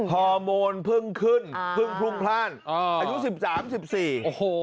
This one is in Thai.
ฮอร์โมนเพิ่งขึ้นเพิ่งพรุ่งพลาดอ่าอายุสิบสามสิบสี่โอ้โห